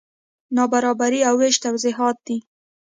نابرابري او وېش توضیحات دي.